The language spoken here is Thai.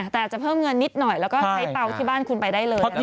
แต่อาจจะเพิ่มเงินนิดหน่อยแล้วก็ใช้เตาที่บ้านคุณไปได้เลยนะคะ